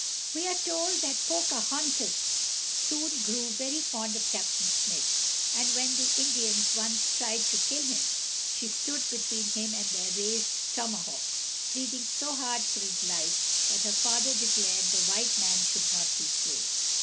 ] We are told that Pocahontas soon grew very fond of Captain Smith, and that when the Indians once tried to kill him, she stood between him and their raised tomahawks, pleading so hard for his life that her father declared the white man should not be slain.